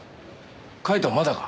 カイトはまだか？